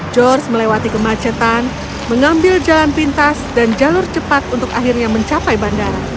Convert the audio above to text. george melewati kemacetan mengambil jalan pintas dan jalur cepat untuk akhirnya mencapai bandara